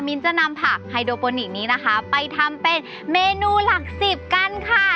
จะนำผักไฮโดโปนิกนี้นะคะไปทำเป็นเมนูหลักสิบกันค่ะ